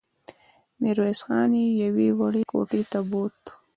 ميرويس خان يې يوې وړې کوټې ته بوت.